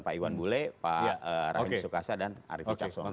pak iwan wulid pak rahim sukasa dan ariefi taswono